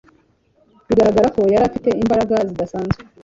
bigaragara ko yari afite imbaraga zidasanzwe